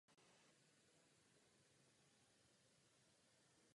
Komponoval zejména pochody a taneční skladby pro orchestry ve kterých působil.